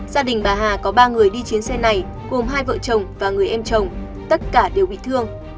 gia đình bà hà có ba người đi chuyến xe này gồm hai vợ chồng và người em chồng tất cả đều bị thương